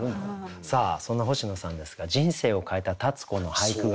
さあそんな星野さんですが人生を変えた立子の俳句があると。